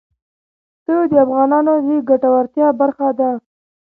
پسه د افغانانو د ګټورتیا برخه ده.